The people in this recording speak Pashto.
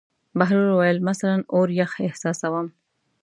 بهلول وویل: مثلاً اور یخ احساسوم.